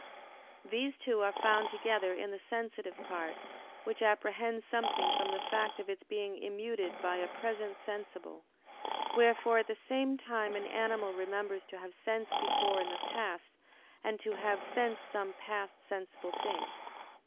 These two are found together in the sensitive part, which apprehends something from the fact of its being immuted by a present sensible: wherefore at the same time an animal remembers to have sensed before in the past, and to have sensed some past sensible thing.